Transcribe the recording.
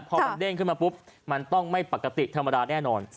พอมันเด้งขึ้นมาปุ๊บมันต้องไม่ปกติธรรมดาแน่นอน